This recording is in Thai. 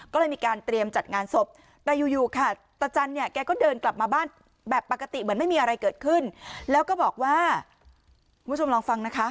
ก็เลยมีการเตรียมจัดงานศพแต่อยู่ค่ะตะจันเนี่ยแกก็เดินกลับมาบ้านแบบปกติเหมือนไม่มีอะไรเกิดขึ้นแล้วก็บอกว่าคุณผู้ชมลองฟังนะคะ